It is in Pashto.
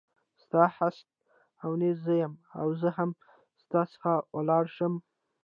ستا هست او نیست زه یم او زه هم ستا څخه ولاړه شم.